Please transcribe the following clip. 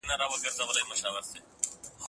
زه به اوږده موده کتابونه وړلي وم،